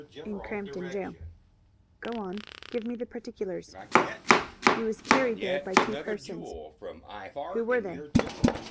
"In Crampton jail." "Go on. Give me the particulars." "He was carried there by two persons." "Who were they?"